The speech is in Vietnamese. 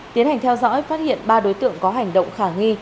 tiến hành theo dõi phát hiện ba đối tượng có hành động khả nghi